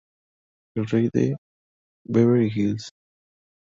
El rey de Beverly Hills".